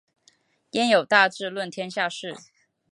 焉有大智论天下事！